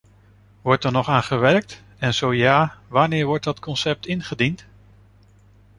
Wordt er nog aan gewerkt, en zo ja, wanneer wordt dat concept ingediend?